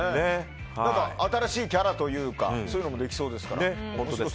新しいキャラというかそういうのもできそうですから。